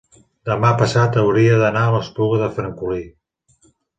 demà passat hauria d'anar a l'Espluga de Francolí.